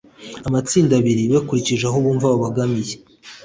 Amatsinda abiri bakurikije aho bumva babogamiye